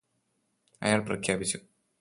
അയാള് പ്രഖ്യാപിച്ചു